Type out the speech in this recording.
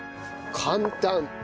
簡単！